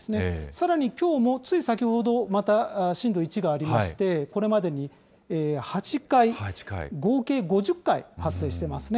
さらにきょうも、つい先ほど、また震度１がありまして、これまでに８回、合計５０回発生してますね。